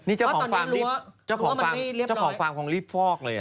นี่เจ้าของฟาร์มคงรีบฟอกเลยอะ